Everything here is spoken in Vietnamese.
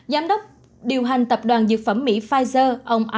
giám đốc điều hành tập đoàn dược phẩm mỹ pfizer ông